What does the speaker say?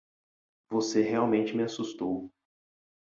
Você realmente me assustou.